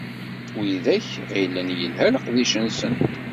Widak ɣilen yelha leqdic-nsen.